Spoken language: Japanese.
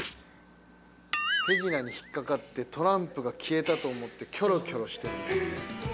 手品に引っ掛かってトランプが消えたと思ってキョロキョロしてるんですね。